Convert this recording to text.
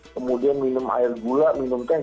kemudian minum air gula minum teh